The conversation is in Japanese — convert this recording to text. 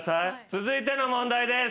続いての問題です。